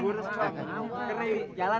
jalan dah jalan